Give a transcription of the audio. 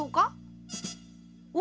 お？